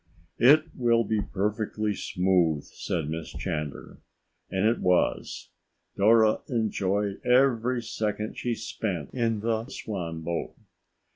"It will be perfectly smooth," said Miss Chandler, and it was. Dora enjoyed every second she spent in the swan boat.